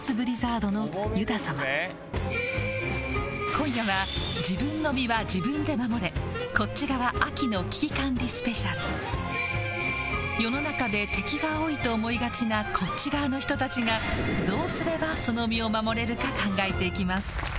今夜は世の中で敵が多いと思いがちなこっち側の人たちがどうすればその身を守れるか考えていきます